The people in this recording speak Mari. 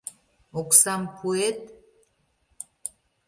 Оксам пуэт?